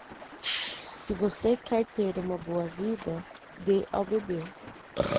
Se você quer ter uma boa vida, dê ao bebê.